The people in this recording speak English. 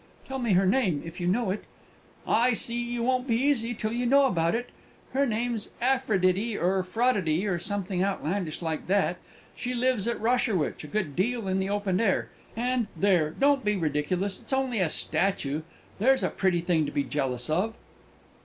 "Tell me her name, if you know it." "I see you won't be easy till you know all about it. Her name's Afriddity, or Froddity, or something outlandish like that. She lives at Rosherwich, a good deal in the open air, and there, don't be ridiculous it's only a statue! There's a pretty thing to be jealous of!"